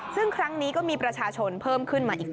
ซึ่งครั้งนี้ก็มีประชาชนเพิ่มขึ้นมาอีก